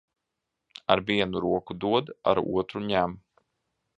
Ar vienu roku dod, ar otru ņem.